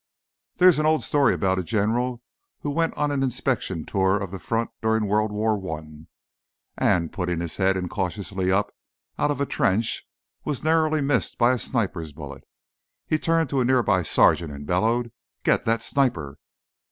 There is an old story about a general who went on an inspection tour of the front during World War I, and, putting his head incautiously up out of a trench, was narrowly missed by a sniper's bullet. He turned to a nearby sergeant and bellowed: "Get that sniper!"